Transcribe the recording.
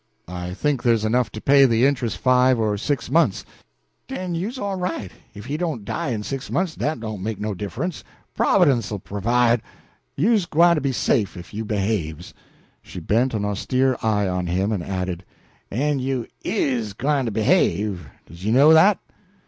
"I think there's enough to pay the interest five or six months." "Den you's all right. If he don't die in six months, dat don't make no diff'rence Providence'll provide. You's gwyne to be safe if you behaves." She bent an austere eye on him and added, "En you is gwyne to behave does you know dat?"